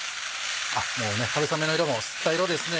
あっもう春雨の色も吸った色ですね。